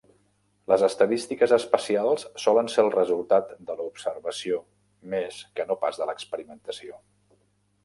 Les estadístiques espacials solen ser el resultat de l'observació més que no pas de l'experimentació.